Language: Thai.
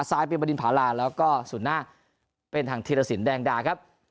ซ้ายเป็นบริญญาณแล้วก็ส่วนหน้าเป็นทางเทศสิรธรรมแดงด้าครับ